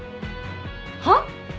はっ！？